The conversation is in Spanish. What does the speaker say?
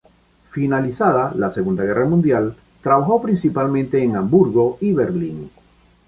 Finalizada la Segunda Guerra Mundial trabajó principalmente en Hamburgo y Berlín.